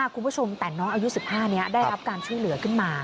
คุณผู้ชมแต่น้องอายุ๑๕นี้ได้รับการช่วยเหลือขึ้นมา